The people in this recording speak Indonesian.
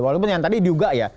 walaupun yang tadi juga ya